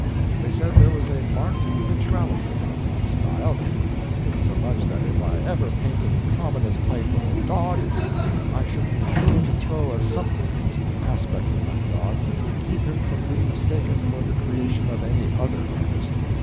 They said there was a marked individuality about my style insomuch that if I ever painted the commonest type of a dog, I should be sure to throw a something into the aspect of that dog which would keep him from being mistaken for the creation of any other artist.